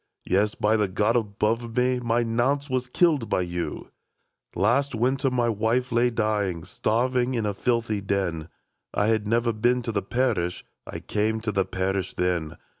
Yes, by the God above us, My Nance was killed by you !*' Last winter my wife lay dying. Starved in a filthy den ; I had never been to the parish, — I came to the parish then.